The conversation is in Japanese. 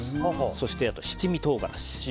そして七味唐辛子。